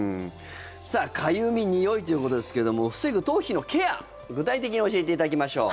かゆみ、においということですけども防ぐ頭皮のケア具体的に教えていただきましょう。